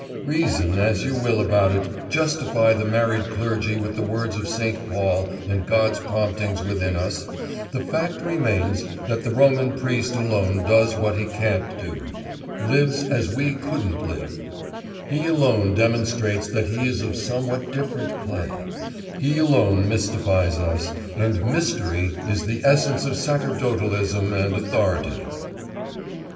Reason as you will about it, justify the married clergy with the words of St. Paul and God's promptings within us, the fact remains that the Roman priest alone does what we can't do, lives as we couldn't live; he alone demonstrates that he is of somewhat different clay; he alone mystifies us; and mystery is the essence of sacerdotalism and authority.